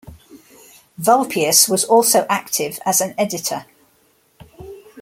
Vulpius was also active as an editor.